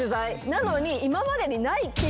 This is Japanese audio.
なのに。